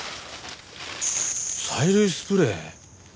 催涙スプレー。